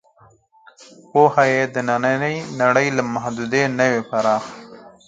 پوهه یې د نننۍ نړۍ له محدودې نه وي پراخ.